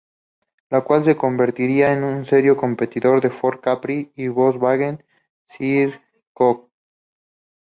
Lo cual lo convertiría en un serio competidor del Ford Capri y Volkswagen Scirocco.